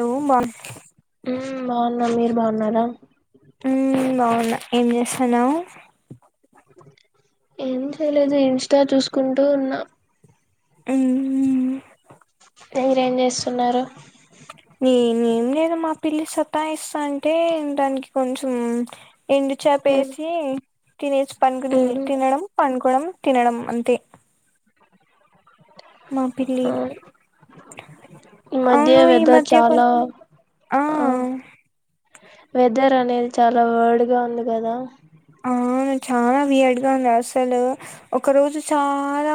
Room బాన్ మ్మ్ బాగున్నా మీరు బాగున్నారా ఊమ్ బావున్నా ఏం చేస్తన్నావు ఏం చేయలేదు ఇన్స్టా చూసుకుంటూ ఉన్నా ఉహు మీరే ఏం చేస్తున్నారు నేనేేం లేదా మా పిల్లి సత్తా ఇస్తా అంటే దానికి కొంచెం ఎండు చేప ఉమ్ వేసి తినేసి పనుకునింది ఉమ్ తినడం పంన్ కుణం తినడం అంతే మాపిల్లి ఆ ఈ మధ్య అవును ఈ వెదర్ మధ్య కొం చాలా ఆ వెదర్ అనేది చాలా వియిర్డ్ ఉంది కదా అ అవును చాలా వియర్డ్ గా ఉంది అసలు ఒక రోజు చాలా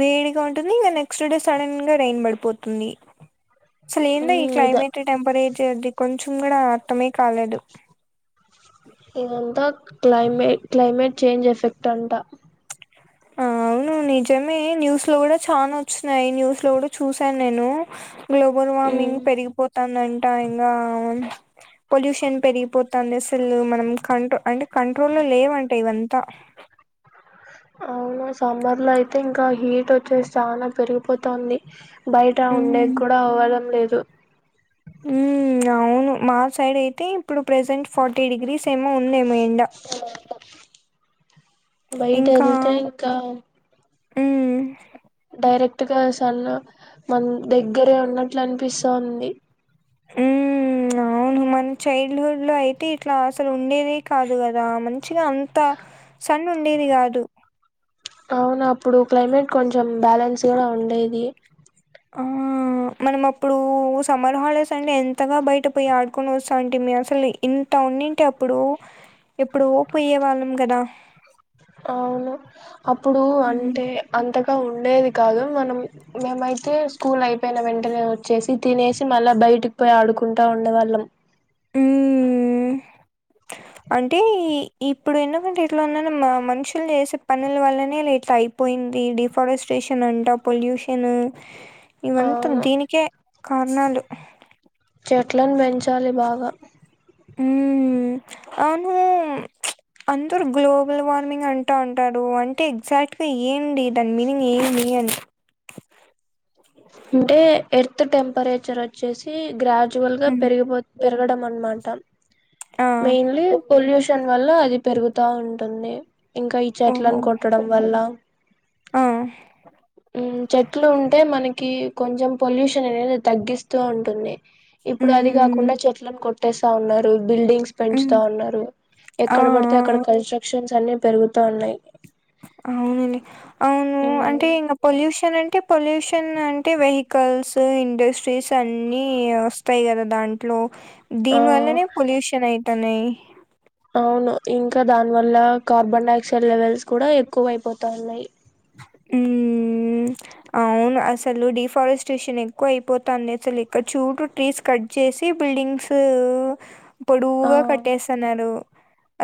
వేడిగా ఉంటుంది ఇక నెక్స్ట్ డే సడన్ గా రెయిన్ పడిపోతుంది అసలు ఏందీ ఈ మ్మ్ ఇద క్లైమేట్ టెంపరేచర్ అది కొంచెం ం కూడా అర్థమే కాలేదు ఇదంతా క్లైమేట్ క్లైమేట్ చేంజ్ ఎఫెక్ట్ అంట అవును నిజమే న్యూస్ లో కూడా చానా వచ్చినయి న్యూస్ లో కూడా చూసాను నేను గ్లోబల్ మ్మ్ వార్మింగ్ పెరిగిపోతుం ందంట ఇంకా పొల్యూషన్ పెరిగిపోతుంది అసలు మనం కంట్రో అంటే కంట్రోల్ లేవంట ఇవంతా అవునా సమ్మర్ లో అయితే ఇంకా హీట్ వచ్చేసి చాలా పెరిగిపోతా ఉంది బయట ఉండే ఉమ్ కూడా అవ్వడం లేదు త ఉమ్ అవును మా సైడ్ అయితే ఇప్పుడు ప్రజెంట్ ఫార్టీ డిగ్రీస్ ఏమో ఉందేమో ఎండ బయట ఇంకా వెళ్తే ఇంకా ఉమ్ డైరెక్ట్ గా సన్న మన దగ్గరే ఉన్నట్లు అనిపిస్సాంది ఉమ్ అవును మన చైల్డ్హుడ్ లో అయితే ఇట్లా అసలు ఉండేదే కాదు కదా మ మంచిగా అంత సన్ ఉండేది కాదు అవునా అప్పుడు క్లైమేట్ కొంచెం బ్యాలెన్స్గా ఉండేది ఆ మనం అప్పుడు సమ్మర్ హాలిడేస్ అంటే ఎంతగా బయట పోయి ఆడుకొని వస్తా అంటే మ అసలు ఇంత ఉండింటే అప్పుడు ఎప్పుడో పోయ్యే వాళ్ళం కదా అవును అప్పుడు మ్మ్. అంటే అంతగా ఇంకా ఉండేది కాదు మనం మేమైతే స్కూల్ అయిపోయిన వెంటనే వచ్చేసి తినేసి మళ్ళా బయటకి పోయి ఆడుకుంటా ఉండేవాళ్ళం ఉమ్ అంటే ఇప్పుడు ఎందుకంటే ఎట్లా ఉన్నా మా మనుషులు చేసే పనుల వల్లనే లేట్లా అయిపోయింది డిఫారెస్ట్రేషన్ అంట పొల్యూషన్ ఇవంతా అవును దీనికే కారణాలు చెట్లను పెంచాలి బాగా ఉమ్ అవును ప్చ్ అందరూ గ్లోబల్ వార్మింగ్ అంటూ ఉంటారు అంటే ఎగ్జాక్ట్గా ఏంటి దాని మీనింగ్ ఏమి అని అంటే ఎర్త్ టెంపరేచర్ వచ్చేసి గ్రా యాక్చువాల మ్మ్. పెరిగి పెరగడం అనమాట ఆ మెయిన్లీ పొల్యూషన్ న్ వల్ల అది పెరుగుతా ఉంటుంది ఇంకా ఈ ఓహో! చెట్లను కొట్టడం వల్ల ఆ! ఉమ్ చెట్లు ఉంటే మనకి కి కొంచెం పొల్యూషన్ అనేది తగ్గిస్తూ ఉంటుంది. ఇప్పుడు అది హ్మ్. కాకుండా చెట్లను కొ ట్టేస్తా ఉన్నారు. బిల్డింగ్స్ హ్మ్. పెంచుతా ఉన్నరు, ఆ! ఎక్కడ పడితే అక్కడ కన్స్ట్రక్షన్స్ అన్ని పెరుగుతా ఉన్నయి. అవునండి అవును అంటే ఇంకా పొల్యూషన్ అంటే పొల్యూషన్ అంటే వెహికల్స్ ఇండస్ట్రీస్ అన్ని వస్తయి కదా దాంట్లో. ఆ దీని వల్లనే పొల్యూషన్ అయిం టనై అవును ఇంకా దాని వల్ల కార్బన్ డైఆక్సైడ్ లెవెల్స్ కూడా ఎక్కువ వైపోతాన్నాయ్. ఉమ్ అవును అసలు డిఫారెస్టేషన్ ఎక్కువ అయిపోతాంది, అసలు ఇక్కడ చూడు ట్రీస్ కట్ చేసి బిల్డింగ్స్ ఆ పొడువుగా కట్టేస్తన్నారు.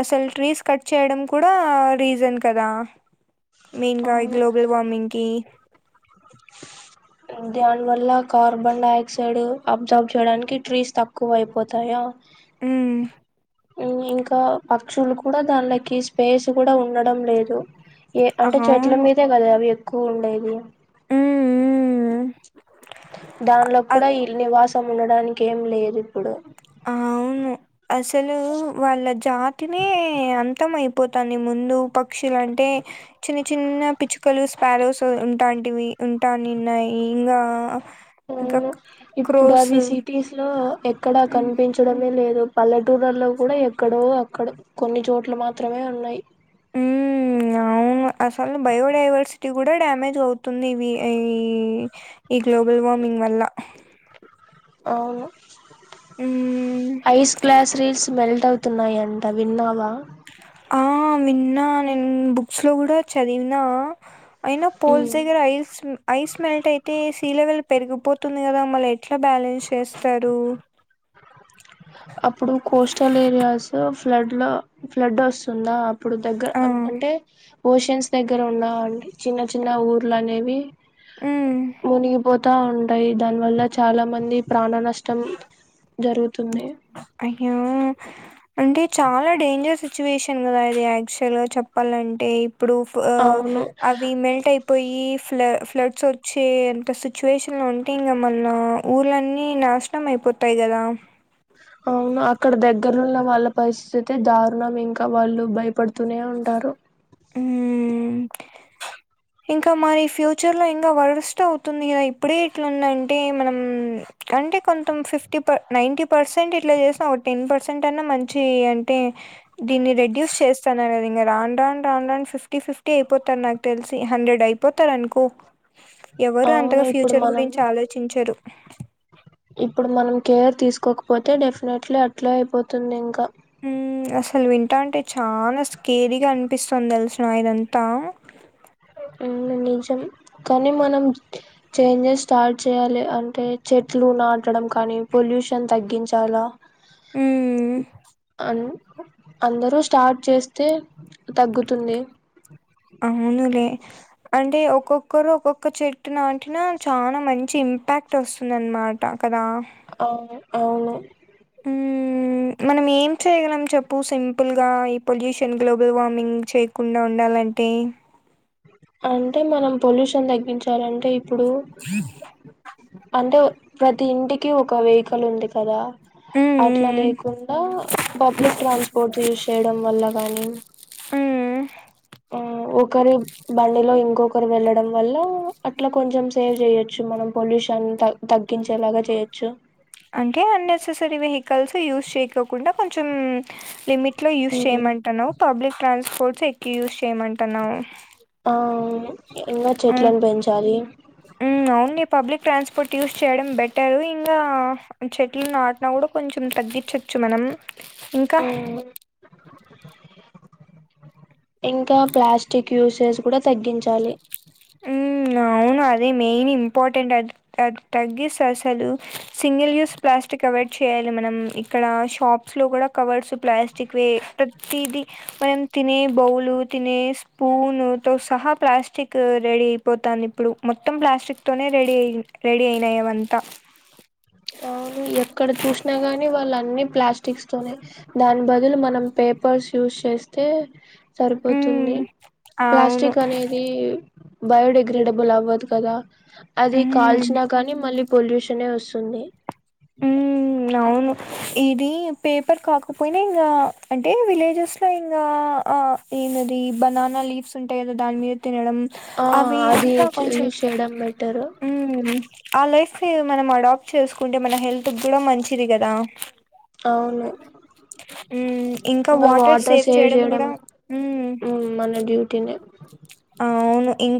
అసలు ట్రీస్ కట్ చేయడం కూడా రీజన్ కదా. మెయిన్ గా అవును గ్లోబల్ వార్మింగ్ కి దానివల్ల కార్బన్ డైఆక్సైడ్ అబ్సాబ్ చేయడానికి ట్రీస్ తక్కువైపోతాయా హ్మ్. ఇంకా పక్షులు కూడా దానిలకి స్పేస్ కూడా ఉండడం లేదు. ఏ అంటే చెట్ల అవును. మీదే కదా అవి స్కూల్ ఏరియా హ్మ్. హ్మ్. దానిలో అ కూడా ఈల్ నివాసం ఉండడానికి ఏం లేదు ఇప్పుడు ఆ అవును అసలు వాళ్ళ జాతినే అంతమయిపో పోతాంది ముందు పక్షులు అంటే చిన్న చిన్న పిచ్చుకలు, స్పారోస్ ఉంటాంటివి ఉంటానిన్నాయి. ఇంకా అవును ఇప్పుడు క్రోస్ అవి సిటీస్ లో ఎక్కడా హ్మ్. కనిపించడమే లేదు. పల్లెటూర్లల్లో కూడా ఎక్కడో అక్కడ కొన్ని చోట్ల మాత్రమే ఉన్నాయ్. ఉమ్ అవును అసలు బయోడైవర్సిటీ కూడా డ్యామేజ్ అవుతుంది, ఇవి ఈ ఈ గ్లోబల్ వార్మింగ్ వల్ల అవును హ్మ్. ఐస్ గ్లాస్ రీల్స్ మెల్ట్ అవుతున్నాయ. అంట విన్నావా? ఆ విన్న, నేను బుక్స్లో కూడా చదివిన అయినా పోల్స్ ఉమ్ దగ్గర ఐస్ ఐస్ మెల్ట్ అయితే సలవల్ పెరిగిపోతుంది కదా మళ ఎ ఎట్లా బ్యాలెన్స్ చేస్తారు అ ఇప్పుడు కోస్టల్ ఏరియాస్ ఫ్లడ్లో ఫ్లడ్ వస్తుందా ఇప్పుడు దగ్గర ఆ అంటే ఓషన్స్ దగ్గర ఉన్నావు అండి చిన్న చిన్న ఊర్లు అనేవి ఉమ్ మునిగి పోతా ఉం యి దాని వల్ల చాలా మంది ప్రాణా కష్టం అయ్యో అంటే చాలా డేంజర్ సిచ్యువేషన్ కదా ఇది యాక్చువల్ గా చెప్పాలంటే ఇప్పుడు అవును అవి మెల్ట్ అయిపో పోయి ఫ్ల ఫ్లడ్స్ వచ్చే ఎంత సిచ్యువేషన్లు ఉంటాయి ఇంకా మళ్ళ ఊర్లన్నీ నాశనం అయిపోతాయి కదా అవును అక్కడ దగ్గరున్న వాళ్ళ పరిస్థితి అయితే దారుణం ఇంకా వాళ్ళు భయపడుతూనే ఉంటారు ఉమ్ ఇంకా మరి ఫ్యూచర్లో ఇంకా వర్స్ట్ అవుతుంది కదా ఇప్పుడే ఇట్లాందంటే మనం అంటే కొంతం ఫిఫ్టీ ప నైంటీ పర్సెంట్ ఇట్లా చేసినా ఒక టెన్ పర్సెంట్ అన్నా మంచి అంటే దీన్ని రెడ్యూస్ చేస్తన్నారు కదా ఇంకా రాౌంన రాం రన్ రండ్ ఫిఫ్టీ ఫిఫ్టీ అయిపోతారు నాకు తెలిసి హండ్రెడ్ అయిపోతారు అనుకో ఎవరు అవును అంతగా ఇప్పుడు ఫ్యూచర్ మనం గురించి ఆలోచించరు ఇప్పుడు మనం కేర్ తీసుకోకపోతే డెఫినెట్లీ అట్లే అయిపోతుంది ఇంకా ఉమ్ అసలు వింటా అంటే చాలా స్కేరగా అనిపిస్తుంది తెలిసిన ఇదంతా నిజం కానీ మనం చేంజెస్ స్టార్ట్ చేయ్యాలి అంటే చెట్లు నాటడం కానీ పొల్యూషన్ తగ్గించాలా హ్మ్. అన అందరూ స్టార్ట్ చేస్తే తగ్గుతుంది అవునులే అంటే ఒక్కొక్కరు ఒక్కొక్క చెట్టు నాటిన చాలా మంచి ఇంపాక్ట్ వస్తుంది అనమాట కదా ఆ అవును ఉమ్ మనం ఏం చేయగలం చెప్పు సింపుల్గా ఈ పొల్యూషన్ గ్లోబల్ వార్మింగ్ చేయకుండా ఉండాలంటే అంటే మనం పొల్యూషన్ తగ్గించాలంటే ఇప్పుడు అంటే ప్రతి ఇంటికి ఒక వెహికల్ ఉంది కదా మ్మ్, అట్లా మ్మ్, లేకుండా పబ్లిక్ ట్రాన్స్పోర్ట్స్ యూస్ చేయడం వల్ల పనీ ఉమ్ ఆ ఒకరి బండిలో ఇంకొకరు వెళ్ళడం వల్ల అట్లా కొంచెం సేవ్ చేయొచ్చు మనం పొల్యూషన్ తగ్గించేలాగా చేయొచ్చు అంటే అన్నెసెసరీ వెహికల్స్ యూస్ చేయకుండా కొంచెం లిమిట్ లో యూజ్ ఉమ్ చేయమంటున్నావు పబ్లిక్ ట్రాన్స్పోర్ట్ స్పోర్ట్స్ ఎక్కువ యూజ్ చేయమంటున్నావ ఏ ఇంగా చెట్లను బెంచాలి మ్మ్, అవును పబ్లిక్ ట్రాన్స్పోర్ట్ యూస్ చేయడం బెటరు ఇంగా చెట్లను నాటిన కూడా కొంచం తగ్గించచ్చు మనం ఇంకా మ్ ఇంకా ప్లాస్టిక్ యూసేస్ కూడా తగ్గించాలి హు అవును అదే మెయిన్ ఇంపార్టెంట్. అద అది తగ్గిససాలు సింగిల్ యూస్ ప్లాస్టిక్ అవాయిడ్ చేయాలి. మనం ఇక్కడ షాప్స్ లో కూడా కవర్స్ ప్లాస్టిక్వి ప్రతిది. మనం తినే బౌలు, తినే స్పూన్ తో సహా ప్లాస్టిక్. కో రెడీ అయిపోతాంది ఇప్పుడు మొత్తం ప్లాస్టిక్ తోనే రెడీ అయి రెడీ అయినాయివంతా అవును ఎక్కడ చూష్ణ గాని వాళ్ళ అనిమ్ ప్లాస్టిక్స్ తోనే దాని బదులు మనం పేపర్స్ యూస్ చేస్తే హ్మ్. తరిపోతుంది అవును. ప్లాస్టిక్ అనేదీ బయోడేగ్రేడిబుల్ అవ్వదు కదా అది హ్మ్. కాల్చినా గాని మళ్ళీ పొల్యూష్ నే వసుంది హ్మ్. అవును ఇది పేపర్ కాకపోయినా ఇంగా అంటే విలేజెస్లో ఇంగా ఆ ఈనాది బనాన్న లీవ్స్ ఉంటాయి కదా దాని మీద తినడం ఆ అవి అది అంతా కొంచం యూజ్ చేయడం బెటరు హు ఆ లైఫ్యూ మనం అడాప్ట్ చేస్కున్ ఎమన్నా హెల్త్ కూడా మంచిది కదా అవును హ్మ్. ఇంకా ఇంగా వాటర్ సేవ్ చేయడం గూడా హ్మ్. హు మన డ్యూటీనే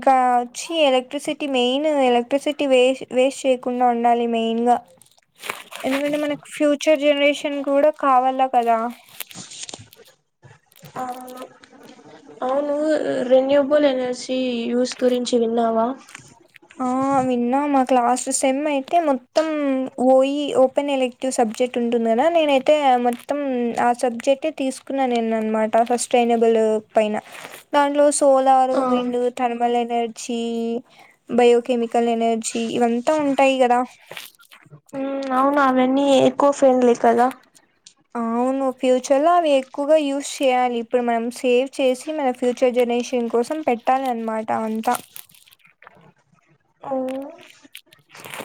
ఆ వచ్చి ఎలక్ట్రిసిటీ మెయిన్ ఎలక్ట్రిసిటీ వేస్ వేస్ట్ చేయకుండా ఉండాలి మెన్గా ఎందుకంటే మనక్ ఫ్యూచర్ జనరేష్ ఇన్ కూడా కావాలా కదా అవును అవును రెన్యూబుల్ ఎనర్జీ యూస్ గురించి విన్నావా ఆ విన్నా మా క్లాస్ సెమ్ అయితే మొత్తం ఓయి ఓపెన్ ఎలక్టివ్ సబ్జెక్ట్ ఉంటుందనా. నేనైతే మొత్తం ఆ సబ్జెక్టే తీసుకున్నా. నేనన్మాట ఫస్టేనీబులు పైన దంట్లోస్ పోలారు ఆ వెండు థర్మాలేట్ ఏడ్చి బయోకెమికల్ ఎనర్జీ ఇవంతా ఉంటాయి కదా ఉమ్, అవును అవన్నీ ఎక్కువ ఫ్రెండ్లీ కదా అవును ఫ్యూచర్ లో అవి ఎక్కువగా యూస్ చేయాలి. ఇప్పుడు మనం సేవ్ చేసి మన ఫ్యూచర్ జనరేషన్ కోసం పెట్టాలన్మాట అంతా ఓ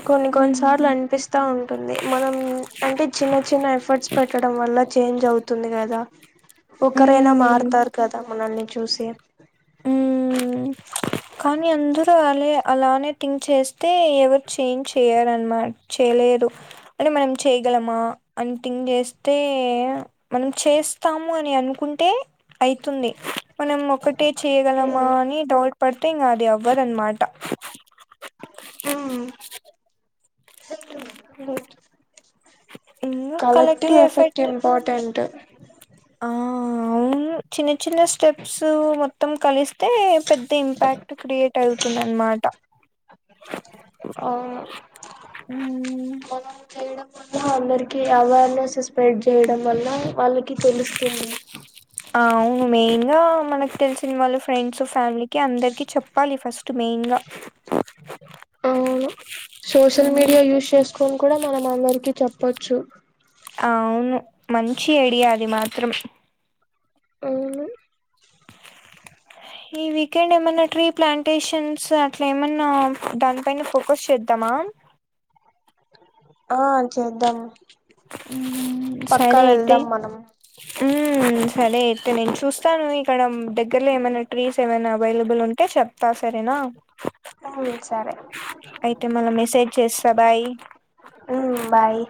కొన్ని కొన్ని సార్లు ఉమ్ అనిపిస్తా ఉంటుంది మనం అంటే చిన్న చిన్న ఎఫర్ట్స్ పెట్టడం వల్ల చేంజ్ అవుతుంది కదా ఒకరైనా మారుతారు కదా మనల్ని చూసేం హు కానీ అందుక్ హో అలాయే అలానే థింక్ చేస్తే, ఎవరు చేంజ్ చేయరాన్మాట్ చేయలేరు. అంటే మనం చేయగలమా అని థింక్ చేస్తే, మనం చేస్తాము అని అనుకుంటే అయితుంది మనం ఒకటి అంటే చేయగలమా ఉమ్, అని డౌట్ పడితే ఇంకా అది అవ్వదన్నమాట ఉమ్, [inaudible] కలెక్టివ్ ఎఫెక్ట్ ఇంపార్టెంట్ ఆ అవును చిన్న చిన్న స్టెప్స్ మొత్తం కలిస్ అయితే పెద్ద ఇంపాక్ట్ క్రియేట్ అవుతుంది అన్నమాట అ మనం చేయడం అందరికి అవేర్నెస్ స్ప్రెడ్ చేయడం వల్ల వాళ్ళకి కి తెలుస్తుంది అవును మెయిన్ గా మనకు తెలిసిన వాళ్ళు ఫ్రెండ్స్ ఫ్యామిలీకి అందరికి చెప్పాలి ఫస్ట్ మెయిన్గా అవును సోషల్ మీడియా యూస్ చేసుకొని కూడా మనం అందరికీ చెప్పొచ్ వచ్చు అవును మంచి ఐడియా అది మాత్రం అవును ఈ వీకెండ్ ఏమన్నా ట్రీ ప్లాంటేషన్స్ అట్లా ఏమన్నా దానిపైన ఫోకస్ చేద్దామా ఆ చేద్దాము హ్మ్ సరే అయితే మనం సరే అయితే నేను చూస్తాను ఇక్కడ దగ్గరలో ఏమైనా ట్రీస్ ఏమైనా అవైలబుల్ ఉంటే చెప్తా సరేనా ఉమ్ సరే అయితే మళ మెసేజ్ చేస్తా బాయి ఉమ్ బాయ్